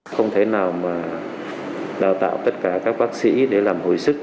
không thể nào mà đào tạo tất cả các bác sĩ để làm hồi sức